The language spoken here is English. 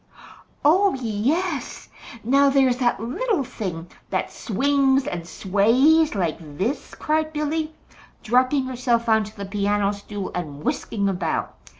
"Oh, yes. Now there's that little thing that swings and sways like this," cried Billy, dropping herself on to the piano stool and whisking about.